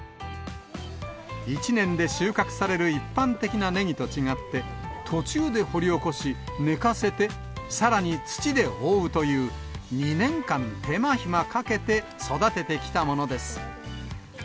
１年で収穫される一般的なねぎと違って、途中で掘り起こし、寝かせて、さらに土で覆うという、２年間、手間暇かけて育ててきたものです。